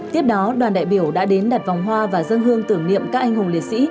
tiếp đó đoàn đại biểu đã đến đặt vòng hoa và dân hương tưởng niệm các anh hùng liệt sĩ